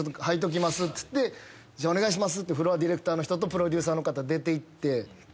はいときますっつってじゃあお願いしますってフロアディレクターの人とプロデューサーの方出ていって。